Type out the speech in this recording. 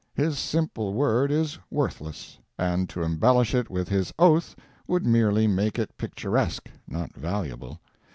His simple word is worthless; and to embellish it with his oath would merely make it picturesque, not valuable.